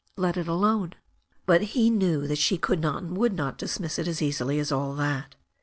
Let it alone." But he knew she could not and would not dismiss it as easily as all that.